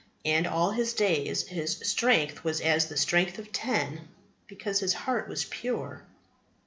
And all his days his strength was as the strength of ten, because his heart was pure.